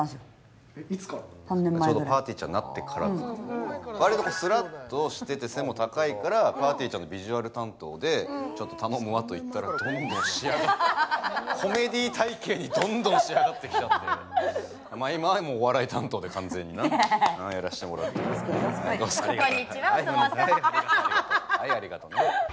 ちょうどぱーてぃーちゃんになってからかな割とスラッとしてて背も高いからぱーてぃーちゃんのビジュアル担当で頼むわと言ったらどんどん仕上がったコメディー体型にどんどん仕上がってきちゃって完全になやらしてもらってますけどはいありがとね